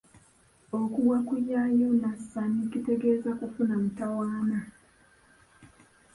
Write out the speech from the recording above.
Okugwa ku ya Yonasaani kitegeeza kufuna mutawaana.